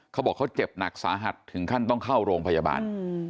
เขาบอกเขาเจ็บหนักสาหัสถึงขั้นต้องเข้าโรงพยาบาล